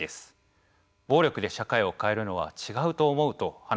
暴力で社会を変えるのは違うと思う」と話していました。